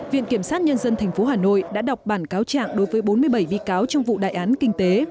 viện kiểm sát nhân dân tp hà nội đã đọc bản cáo trạng đối với bốn mươi bảy bị cáo trong vụ đại án kinh tế